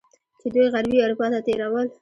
چې دوی غربي اروپا ته تیرول.